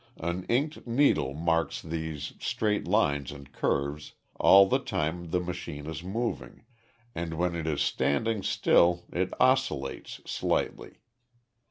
An inked needle marks these straight lines and curves all the time the machine is moving, and when it is standing still it oscillates slightly.